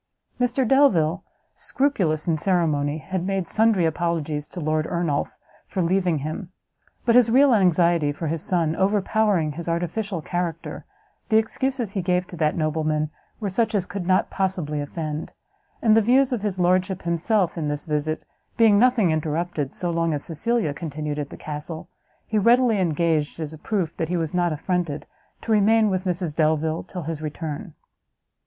Mr Delvile, scrupulous in ceremony, had made sundry apologies to Lord Ernolf for leaving him; but his real anxiety for his son overpowering his artificial character, the excuses he gave to that nobleman were such as could not possibly offend; and the views of his lordship himself in his visit, being nothing interrupted, so long as Cecilia continued at the castle, he readily engaged, as a proof that he was not affronted, to remain with Mrs Delvile till his return.